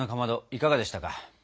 いかがでしたか？